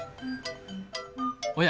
おや。